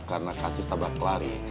karena kasus tabak lari